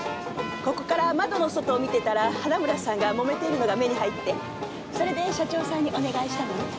ここから窓の外を見てたら花村さんがもめているのが目に入ってそれで社長さんにお願いしたのね。